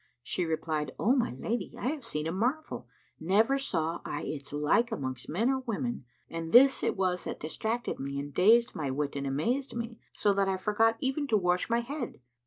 She replied, "O my lady, I have seen a marvel, never saw I its like amongst men or women, and this it was that distracted me and dazed my wit and amazed me, so that I forgot even to wash my head."